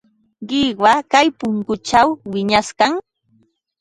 Qiwa kay punkućhaw wiñaykan.